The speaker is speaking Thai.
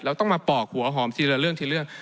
ต้องมาปอกหัวหอมทีละเรื่องทีเรื่อง